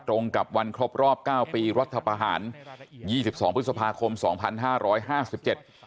ตรงกับวันครบรอบเก้าปีรัฐประหารยี่สิบสองพฤษภาคมสองพันห้าร้อยห้าสิบเจ็ด